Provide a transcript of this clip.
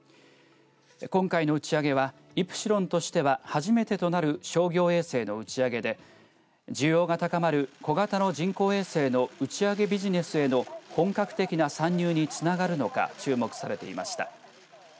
今回の打ち上げはイプシロンとしては初めてとなる商業衛星の打ち上げで需要が高まる小型の人工衛星の打ち上げビジネスへの本格的な参入につながるのか注目されていました。